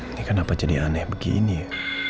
ini kenapa jadi aneh begini ya